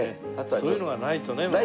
そういうのがないとねまたね。